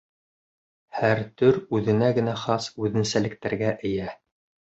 Һәр төр үҙенә генә хас үҙенсәлектәргә эйә.